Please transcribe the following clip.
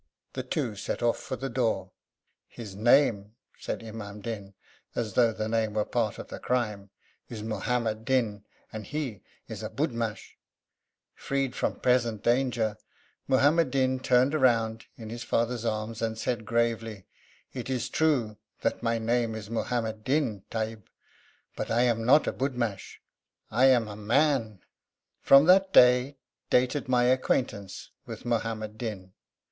The two set off for the door. 'His name,' said Imam Din, as though the name were part of the crime, 'is Muhammad Din, and he is a budmash.' Freed from present danger, Muhammad Din turned round in his father's arms, and said gravely, 'It is true that my name is Muhammad Din, Tahib, but I am not a budmash. I am a man!' From that day dated my acquaintance with Muhammad Din.